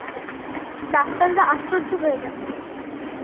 ডাক্তাররা আশ্চর্য হয়ে গেছে।